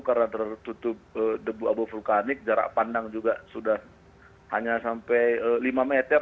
karena tertutup debu abu vulkanik jarak pandang juga sudah hanya sampai lima meter